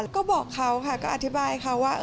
ก็บอกเขาค่ะก็อธิบายเขาว่า